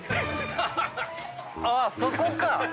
あそこか！